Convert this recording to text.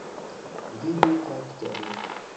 Vidu takton.